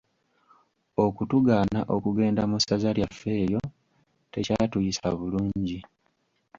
Okutugaana okugenda mu ssaza lyaffe eryo tekyatuyisa bulungi.